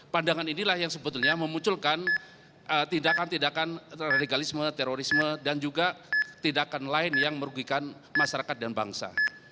pandangan inilah yang sebetulnya memunculkan tindakan tindakan radikalisme terorisme dan juga tindakan lain yang merugikan masyarakat dan bangsa